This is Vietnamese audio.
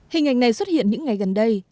hình ảnh này xuất hiện những ngày gần đây